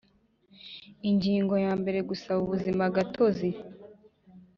Ingingo ya mbere Gusaba ubuzima gatozi